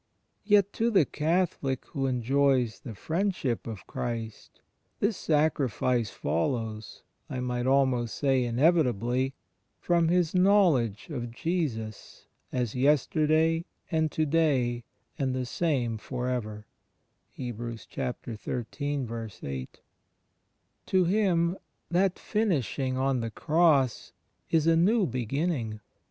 Yet to the Catholic who enjoys the friend ship of Christ, this Sacrifice follows — I might almost say inevitably — from his knowledge of Jesus as "yester day and to day and the same for ever." ' To him, that "finishing" on the Cross is a new beginning.